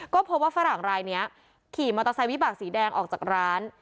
ก็พบว่าฝรั่งรายนี้ขี่มอเตอร์ไซค์วิบากสีแดงออกจากร้าน